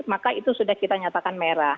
maka itu sudah kita nyatakan merah